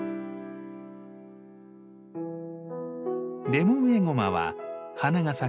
レモンエゴマは花が咲く